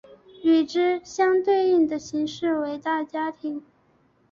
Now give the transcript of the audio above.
与之相对应的形式为大家庭。